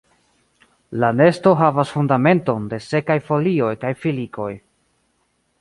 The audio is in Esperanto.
La nesto havas fundamenton de sekaj folioj kaj filikoj.